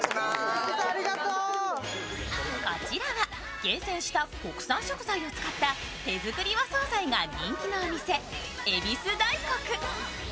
こちらは厳選した国産食材を使った手作り和惣菜が人気のお店ゑびすＤａｉｋｏｋｕ。